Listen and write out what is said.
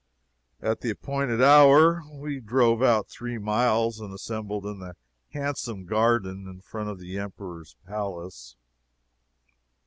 At the appointed hour we drove out three miles, and assembled in the handsome garden in front of the Emperor's palace.